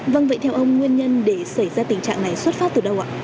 vâng vậy theo ông nguyên nhân để xảy ra tình trạng này xuất phát từ đâu ạ